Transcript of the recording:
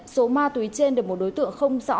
số ma túy trên được một đối tượng không rõ